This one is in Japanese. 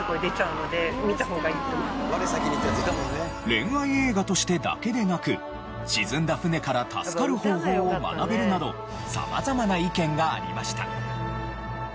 恋愛映画としてだけでなく沈んだ船から助かる方法を学べるなど様々な意見がありました。